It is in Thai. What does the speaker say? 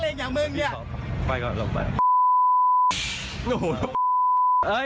เนี่ย